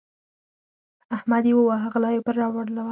احمد يې وواهه؛ غلا يې پر واړوله.